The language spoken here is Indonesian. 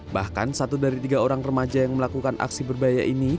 bahkan satu dari tiga orang remaja yang melakukan aksi berbaya ini